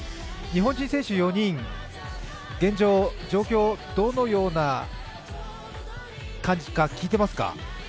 日本人選手４人、現状、状況はどのような感じか聞いていますか？